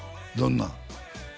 どんなん？